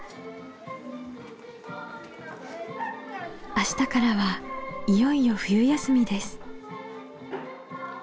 明日からはいよいよ冬休みです。